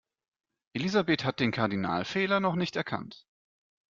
Elisabeth hat den Kardinalfehler noch nicht erkannt.